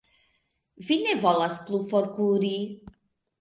Vi ne volas plu forkuri?